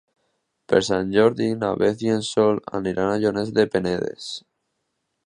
Per Sant Jordi na Beth i en Sol aniran a Llorenç del Penedès.